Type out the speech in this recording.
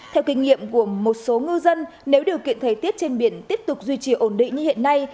theo kinh nghiệm của một số ngư dân nếu điều kiện thời tiết trên biển tiếp tục duy trì ổn định như hiện nay